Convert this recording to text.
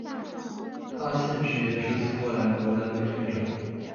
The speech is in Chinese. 他现时也是苏格兰国家队队长。